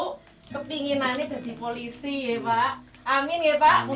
kepinginannya jadi polisi ya pak